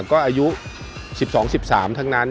ก็อายุ๑๒๑๓ทั้งนั้น